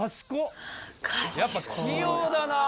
やっぱ器用だな。